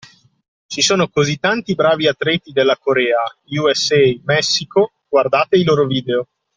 Ci sono così tanti bravi atleti dalla Corea, USA, Messico, guardate i loro video.